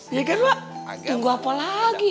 iya kan mak tunggu apa lagi